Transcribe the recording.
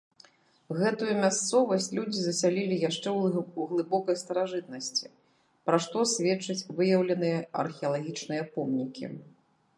Гэтую мясцовасць людзі засялілі яшчэ ў глыбокай старажытнасці, пра што сведчаць выяўленыя археалагічныя помнікі.